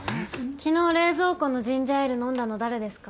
昨日冷蔵庫のジンジャーエール飲んだの誰ですか？